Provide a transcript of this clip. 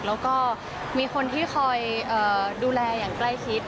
แล้วก็มีคนที่คอยดูแลอย่างใกล้ชิด